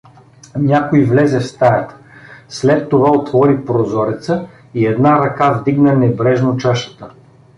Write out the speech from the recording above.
Някой влезе в стаята, след това отвори прозореца и една ръка вдигна небрежно чашата.